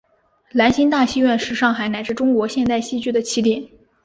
兰心大戏院是上海乃至中国现代戏剧的起点。